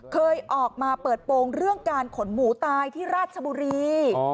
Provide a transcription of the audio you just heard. เคยออกมาเปิดโปรงเรื่องการขนหมูตายที่ราชบุรี